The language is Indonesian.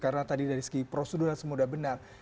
karena tadi dari segi prosedur semua sudah benar